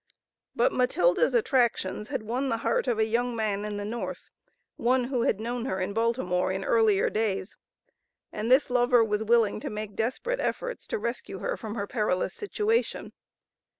But Matilda's attractions had won the heart of a young man in the North, one who had known her in Baltimore in earlier days, and this lover was willing to make desperate efforts to rescue her from her perilous situation.